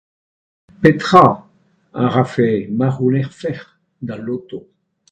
Petra a rafec'h ma c'hounezfec'h d'al Loto ?